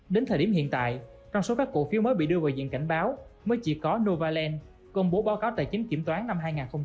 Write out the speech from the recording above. đến thời điểm hiện tại trong số các cổ phiếu mới bị đưa vào diện cảnh báo mới chỉ có novaland công bố báo cáo tài chính kiểm toán năm hai nghìn hai mươi